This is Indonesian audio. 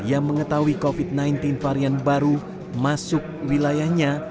yang mengetahui covid sembilan belas varian baru masuk wilayahnya